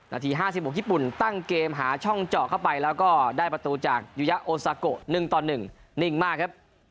นาที๕๖ญี่ปุ่นตั้งเกมหาช่องเจาะเข้าไปแล้วก็ได้ประตูจากยุยะโอซาโก๑ต่อ๑นิ่งมากครับ